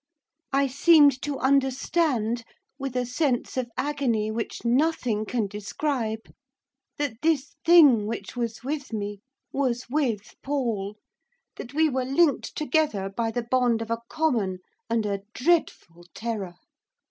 I seemed to understand with a sense of agony which nothing can describe! that this thing which was with me was with Paul. That we were linked together by the bond of a common, and a dreadful terror.